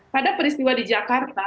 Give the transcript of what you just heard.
pada peristiwa di jakarta